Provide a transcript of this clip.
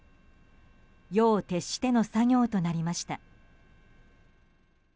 夜を徹しての作業となりました。